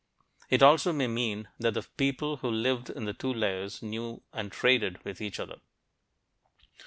It also may mean that the people who lived in the two layers knew and traded with each other.